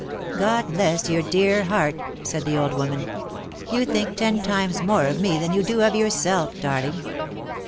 " God bless your dear heart V said the old woman. " You think ten times more of me than you do of yourself, darling